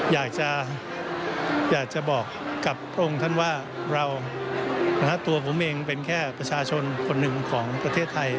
อยากจะอยากจะบอกกับพระองค์ท่านว่าเราตัวผมเองเป็นแค่ประชาชนคนหนึ่งของประเทศไทย